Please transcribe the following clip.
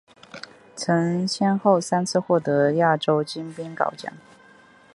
曾先后三次获得亚洲金冰镐奖。